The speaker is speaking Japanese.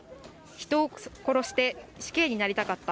人を殺して死刑になりたかった。